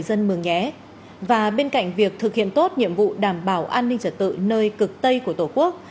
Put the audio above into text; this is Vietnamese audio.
an ninh trả tự nơi cực tây của tổ quốc